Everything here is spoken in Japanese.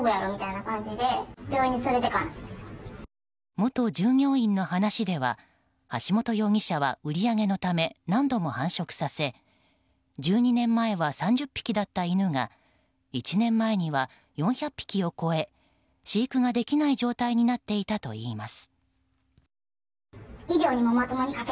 元従業員の話では橋本容疑者は売り上げのため何度も繁殖させ１２年前は３０匹だった犬が１年前には４００匹を超え飼育ができない状態になっていたといいます。